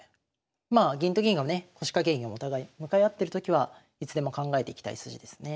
まあ銀と銀がね腰掛け銀お互い向かい合ってるときはいつでも考えていきたい筋ですね。